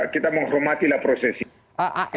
kita menghormatilah proses ini